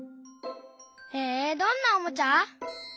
へえどんなおもちゃ？